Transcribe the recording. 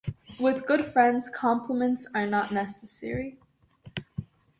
With good friends compliments are not necessary.